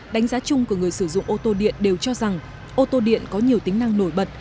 đánh giá chung của người sử dụng ô tô điện đều cho rằng ô tô điện có nhiều tính năng nổi bật